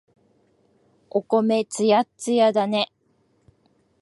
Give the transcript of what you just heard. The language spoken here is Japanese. お米、つやっつやだね。